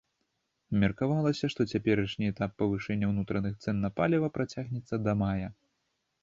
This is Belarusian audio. Меркавалася, што цяперашні этап павышэння ўнутраных цэн на паліва працягнецца да мая.